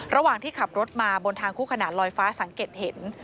ระหว่างที่ขับรถมาบนทางคู่ขนาดลอยฟ้าสังเกตเห็น